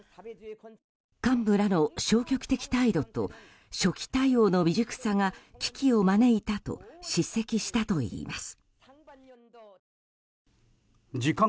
幹部らの消極的態度と初期対応の未熟さが危機を招いたと叱責したといいます。